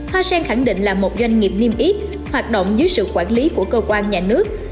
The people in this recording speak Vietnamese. hoa sen khẳng định là một doanh nghiệp niêm yết hoạt động dưới sự quản lý của cơ quan nhà nước